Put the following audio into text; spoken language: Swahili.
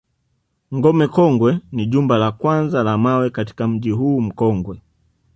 Ngome Kongwe ni jumba la kwanza la mawe katika mji huu mkongwe